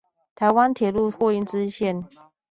臺灣鐵路貨運支線